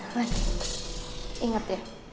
lan inget ya